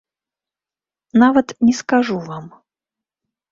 Нават не скажу вам.